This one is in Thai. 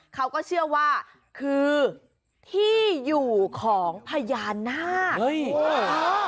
เขาก็เชื่อว่าคือที่อยู่ของพญานาคเฮ้ย